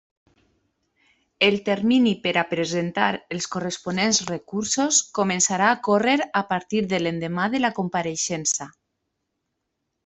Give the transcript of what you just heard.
El termini per a presentar els corresponents recursos començarà a córrer a partir de l'endemà de la compareixença.